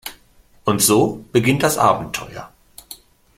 Und so beginnt das Abenteuer.